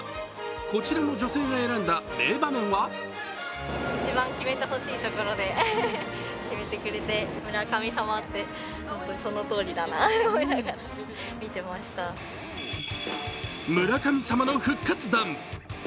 こちらの女性が選んだ名場面は村神様の復活弾。